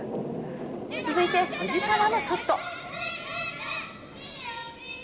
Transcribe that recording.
続いて藤澤のショット。